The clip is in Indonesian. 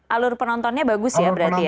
alur penontonnya bagus ya berarti ya